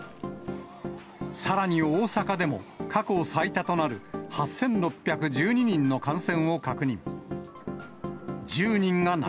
さらに大阪でも、過去最多となる８６１２人の感染を確認。